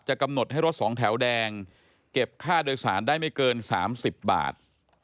กำหนดให้รถสองแถวแดงเก็บค่าโดยสารได้ไม่เกิน๓๐บาท